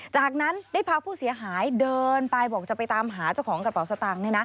จากนั้นได้พาผู้เสียหายเดินไปบอกจะไปตามหาเจ้าของกระเป๋าสตางค์